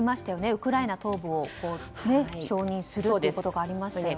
ウクライナ東部を承認するということがありましたよね。